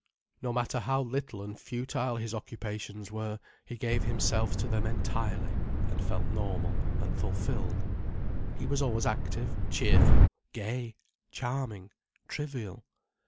No matter how little and futile his occupations were, he gave himself to them entirely, and felt normal and fulfilled. He was always active, cheerful, gay, charming, trivial.